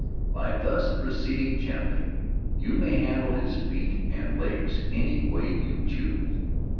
By thus proceeding gently, you may handle his feet and legs in any way you choose.